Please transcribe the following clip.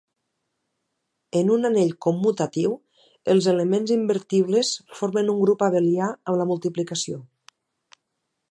En un anell commutatiu, els elements invertibles formen un grup abelià amb la multiplicació.